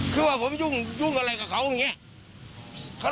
คือว่าผมยุ่งอะไรกับเขาอย่างนี้